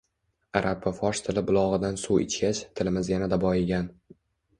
Arab va fors tili bulog‘idan suv ichgach, tilimiz yanada boyigan.